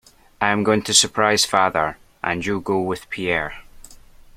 I am going to surprise father, and you will go with Pierre.